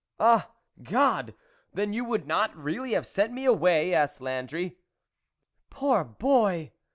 " Ah ! God ! then you would not really have sent me away ?" asked Landry. " Poor boy